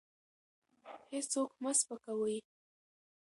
هېڅوک مه سپکوئ.